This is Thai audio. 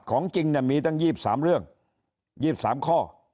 ของจริงมีตั้ง๒๓เรื่อง๒๓ข้อ